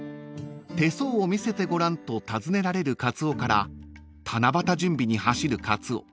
［手相を見せてごらんと尋ねられるカツオから七夕準備に走るカツオ］